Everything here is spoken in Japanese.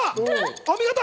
お見事！